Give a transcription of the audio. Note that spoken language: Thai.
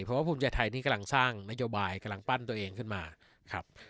เพราะว่าภูมิใจไทยนี่กำลังสร้างนโยบายกำลังปั้นตัวเองขึ้นมาครับ